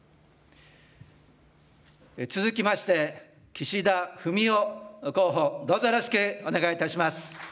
続きまして、岸田文雄候補、どうぞよろしくお願いいたします。